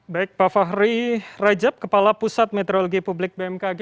baik pak fahri rajab kepala pusat meteorologi publik bmkg